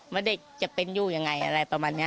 จะเป็นอยู่ยังไงอะไรประมาณนี้